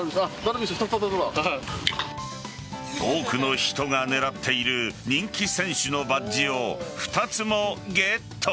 多くの人が狙っている人気選手のバッジを２つもゲット。